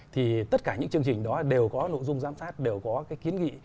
thì tất cả những chương trình đó đều có nội dung giám sát đều có cái kiến nghị